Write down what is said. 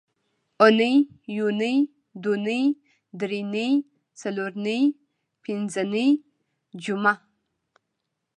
اونۍ، یونۍ، دونۍ، درېنۍ، څلورنۍ، پینځنۍ، جمعه